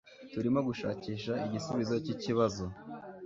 Turimo gushakisha igisubizo cyikibazo.